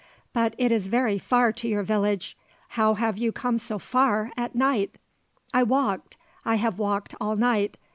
But it is very far to your village. How have you come so far, at night?" "I walked. I have walked all night.